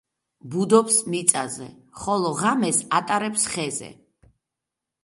ბუდობს მიწაზე, ხოლო ღამეს ატარებს ხეზე.